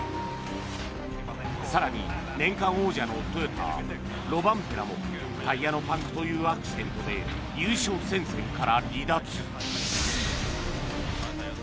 更に、年間王者のトヨタ、ロバンペラもタイヤのパンクというアクシデントで優勝戦線から離脱。